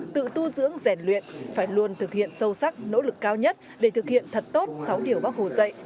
tự tu dưỡng rèn luyện phải luôn thực hiện sâu sắc nỗ lực cao nhất để thực hiện thật tốt sáu điều bác hồ dạy